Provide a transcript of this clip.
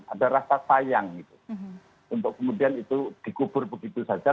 ada rasa sayang gitu untuk kemudian itu dikubur begitu saja